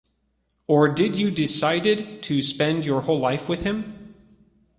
Or did you decided to spend your whole life with him?